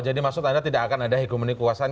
maksud anda tidak akan ada hegemoni kekuasaan